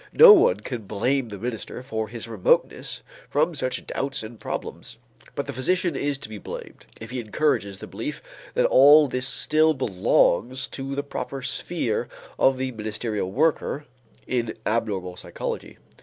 No one can blame the minister for his remoteness from such doubts and problems, but the physician is to be blamed if he encourages the belief that all this still belongs to the proper sphere of the ministerial worker in abnormal psychology.